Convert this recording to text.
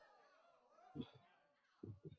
系统最终在墨西哥北部上空快速消散。